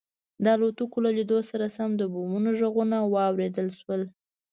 د الوتکو له لیدو سره سم د بمونو غږونه واورېدل شول